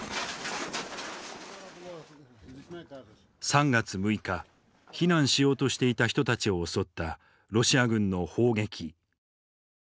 ３月６日避難しようとしていた人たちを襲ったロシア軍の砲撃。